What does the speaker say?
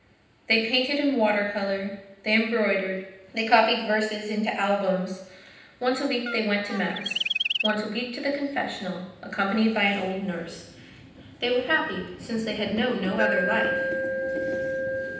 They painted in water colour; they embroidered; they copied verses into albums. Once a week they went to Mass; once a week to the confessional, accompanied by an old nurse. They were happy since they had known no other life.